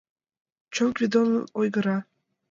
Чон Гвидонын ойгыра